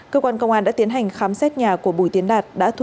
cơ quan công an đã tiến hành khám xét nhà của bùi tiến đạt